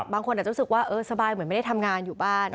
บางคนอาจจะรู้สึกว่าสบายเหมือนไม่ได้ทำงานอยู่บ้าน